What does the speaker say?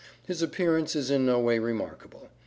His appearance is in no way remarkable.